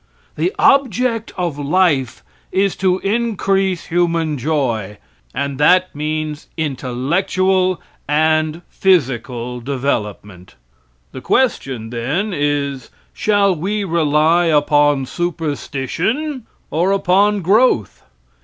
The object of life is to increase human joy, and that means intellectual and physical development. The question, then, is: Shall we rely upon superstition or upon growth?